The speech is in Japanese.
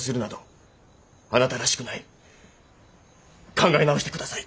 考え直して下さい。